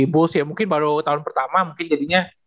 bus ya mungkin baru tahun pertama mungkin jadinya